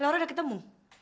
laura udah ketemu